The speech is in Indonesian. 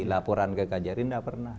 laporan ke kjri tidak pernah